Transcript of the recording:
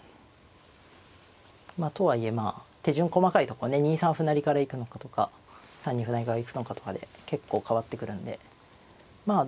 とはいえまあ手順細かいとこね２三歩成から行くのかとか３二歩成から行くのかとかで結構変わってくるんでまあ